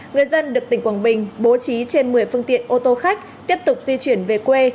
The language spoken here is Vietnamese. người dân được tỉnh quảng bình bố trí trên một mươi phương tiện ô tô khách tiếp tục di chuyển về quê